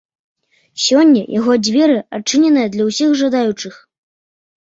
Сёння яго дзверы адчыненыя для ўсіх жадаючых.